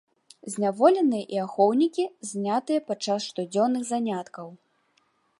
Зняволеныя і ахоўнікі знятыя падчас штодзённых заняткаў.